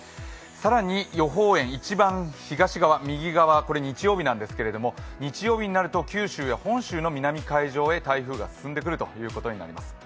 更に予報円、一番東側、右側、これ日曜日なんですけれども、日曜日になると九州や本州の南海上へ台風が進んでくることになります。